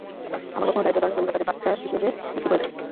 আবার কখনো দারিদ্র্যের কারণে পরিবার তাদের বাচা হিসেবে বিক্রি করে দেয়।